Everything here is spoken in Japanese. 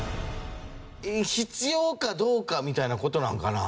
必要かどうかみたいな事なんかな？